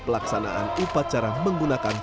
pelaksanaan upacara menggunakan